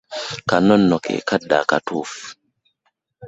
Kano nno ke kadde akatuufu.